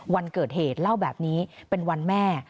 วันเกิดเหตุเล่าแบบนี้เป็นวันแม่